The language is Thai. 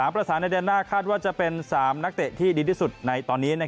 ประสานในเดือนหน้าคาดว่าจะเป็น๓นักเตะที่ดีที่สุดในตอนนี้